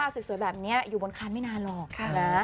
สวยแบบนี้อยู่บนคันไม่นานหรอกนะ